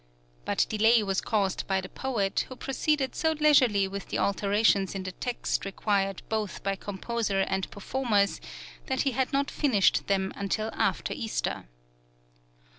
But delay was caused by the poet, who proceeded so leisurely with the alterations in the text required both by composer and performers, that he had not finished them until after Easter.